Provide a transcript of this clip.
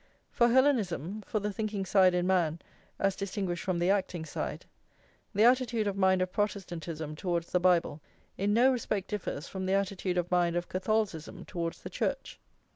For Hellenism, for the thinking side in man as distinguished from the acting side, the attitude of mind of Protestantism towards the Bible in no respect differs from the attitude of mind of Catholicism towards the Church.